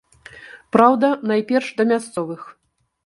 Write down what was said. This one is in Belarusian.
Праўда, найперш да мясцовых.